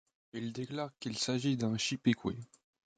Il déclare qu'il s'agit d'un chipekwe.